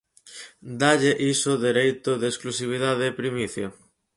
Dálle iso dereito de exclusividade e primicia?